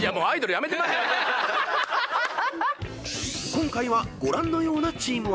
［今回はご覧のようなチーム分け］